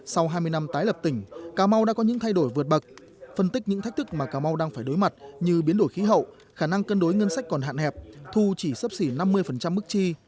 sau hai mươi năm tái lập tỉnh cà mau đã có những thay đổi vượt bậc phân tích những thách thức mà cà mau đang phải đối mặt như biến đổi khí hậu khả năng cân đối ngân sách còn hạn hẹp thu chỉ sấp xỉ năm mươi mức chi